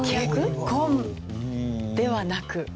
結婚ではなく。